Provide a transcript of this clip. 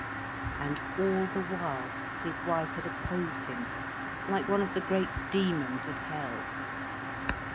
And all the while, his wife had opposed him like one of the great demons of hell.